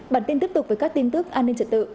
bản tin tiếp tục với các tin tức an ninh trật tự